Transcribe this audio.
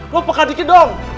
lo peka dikit dong